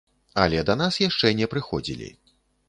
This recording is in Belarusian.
Але да нас яшчэ не прыходзілі.